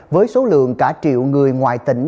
với số lượng cả triệu người ngoài tỉnh